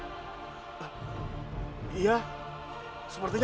aku akan beristirahat